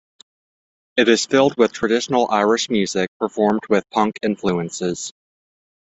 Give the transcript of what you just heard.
It is filled with traditional Irish music performed with punk influences.